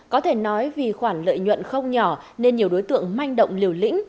có thể nói vì khoản lợi nhuận không nhỏ nên nhiều đối tượng manh động liều lĩnh